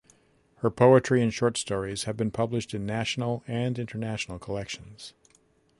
Her poetry and short stories have been published in national and international collections.